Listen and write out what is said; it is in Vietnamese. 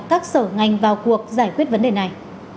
các sở ngành vào cuộc giải quyết vấn đề này